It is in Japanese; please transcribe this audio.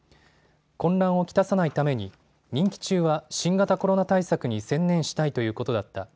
混乱を来さないために任期中は新型コロナ対策に専念したいということだった。